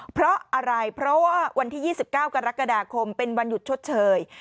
เพราะอะไรเพราะว่าวันที่๒๙กรกฎาคมเป็นวันหยุดชดเชย